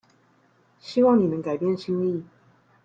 希望你能改變心意